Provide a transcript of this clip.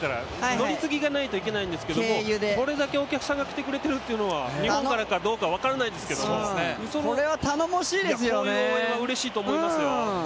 乗り継がないといけないんですけど、これだけお客さんが来てくれているのは日本からかどうか分からないですけどもこういう応援はうれしいと思いますよ。